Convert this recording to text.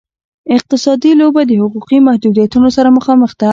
اقتصادي لوبه د حقوقي محدودیتونو سره مخامخ ده.